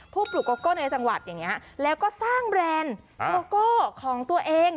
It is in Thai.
ปลูกโกโก้ในจังหวัดอย่างนี้แล้วก็สร้างแบรนด์โกโก้ของตัวเอง